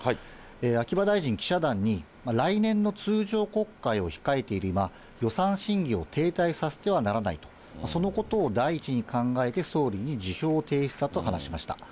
秋葉大臣、記者団に、来年の通常国会を控えている今、予算審議を停滞させてはならないと、そのことを第一に考えて、総理に辞表を提出したと話しました。